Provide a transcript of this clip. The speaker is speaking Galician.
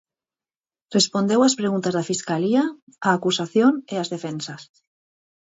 Respondeu as preguntas da Fiscalía, a acusación e as defensas.